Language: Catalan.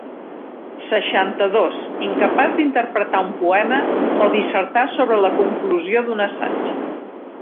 Seixanta-dos incapaç d'interpretar un poema o dissertar sobre la conclusió d'un assaig.